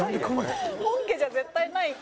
本家じゃ絶対ないこれ。